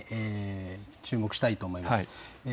注目したいと思います。